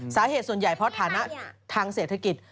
สาเหตุส่วนใหญ่เพราะฐานะทางเศรษฐกิจ